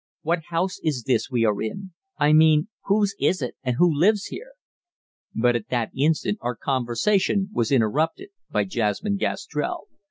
What house is this we are in? I mean whose is it and who lives here?" But at that instant our conversation was interrupted by Jasmine Gastrell.